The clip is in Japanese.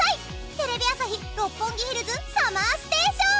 テレビ朝日・六本木ヒルズＳＵＭＭＥＲＳＴＡＴＩＯＮ。